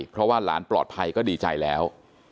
เพราะว่าหลานปลอดภัยก็ดีใจแล้ว